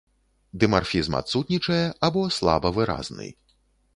Дымарфізм адсутнічае або слаба выразны.